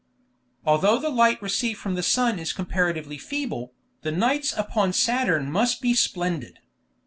Although the light received from the sun is comparatively feeble, the nights upon Saturn must be splendid.